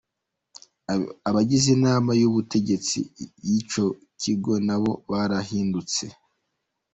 Abagize inama y’ubutegetsi y’icyo Kigo nabo barahindutse.